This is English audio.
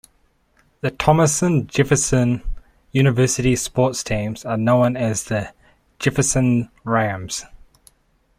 The Thomas Jefferson University sports teams are known as the Jefferson Rams.